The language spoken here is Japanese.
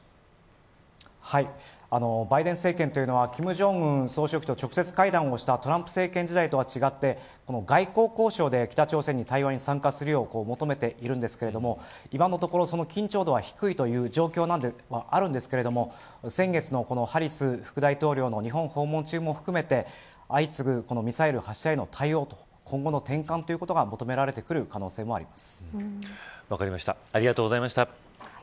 バイデン政権というのは金正恩総書記と直接会談をしたトランプ政権時代とは違って外交交渉で北朝鮮に対話に参加するよう求めているんですが今のところ、その緊張度は低いという状況ではあるんですが先月のハリス副大統領の日本訪問中を含めて相次ぐミサイル発射への対応と今後の転換というものが求められてくるありがとうございました。